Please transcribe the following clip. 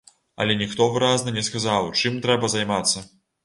Але ніхто выразна не сказаў, чым трэба займацца.